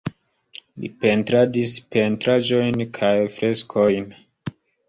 Li pentradis pentraĵojn kaj freskojn.